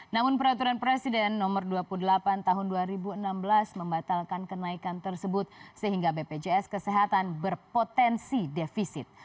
namun peraturan presiden nomor dua puluh delapan tahun dua ribu enam belas membatalkan kenaikan tersebut sehingga bpjs kesehatan berpotensi defisit